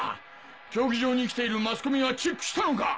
競技場に来ているマスコミはチェックしたのか？